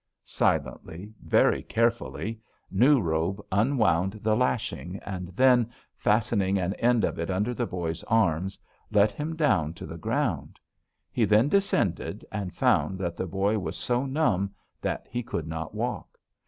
"Silently, very carefully, New Robe unwound the lashing, and then, fastening an end of it under the boy's arms, let him down to the ground. He then descended, and found that the boy was so numb that he could not walk.